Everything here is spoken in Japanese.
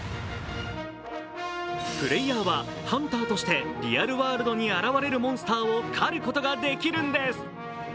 プレーヤーは、ハンターとしてリアルワールドに現れるモンスターを狩ることができるんです。